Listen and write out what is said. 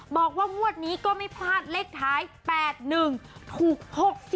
บอกว่างวดนี้ก็ไม่พลาดเลขท้าย๘๑ถูก๖๔